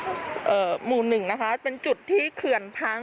กันยเปรียบไปแบบนี้หมู่๑นะคะเป็นจุดที่เขื่อนพัง